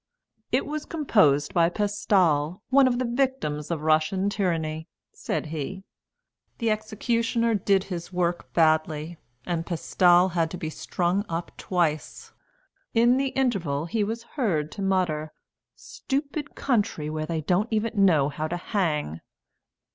'" "It was composed by Pestal, one of the victims of Russian tyranny," said he. "The executioner did his work badly, and Pestal had to be strung up twice. In the interval he was heard to mutter, 'Stupid country, where they don't even know how to hang!'"